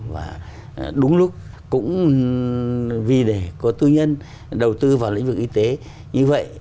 và đúng lúc cũng vì để có tư nhân đầu tư vào lĩnh vực y tế như vậy